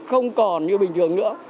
không còn như bình thường nữa